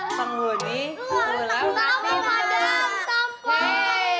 penghuni pulau natnitnut